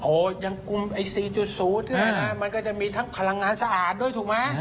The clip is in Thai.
โอ้ยังกลุ่มไอซี๔๐มันก็จะมีทั้งพลังงานสะอาดด้วยถูกมั้ย